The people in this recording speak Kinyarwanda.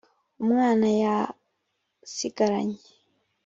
umwana yasigaranye